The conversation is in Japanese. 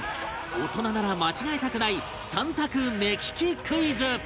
大人なら間違えたくない３択目利きクイズ